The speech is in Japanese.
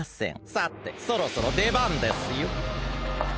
さてそろそろでばんですよ。